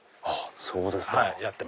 そうですか。